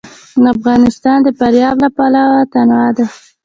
افغانستان د فاریاب له پلوه متنوع دی.